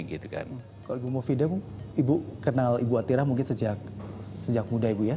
kalau ibu mauvidem ibu kenal ibu atira mungkin sejak muda ibu ya